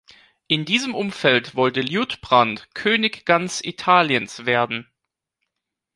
In diesem Umfeld wollte Liutprand König ganz Italiens werden.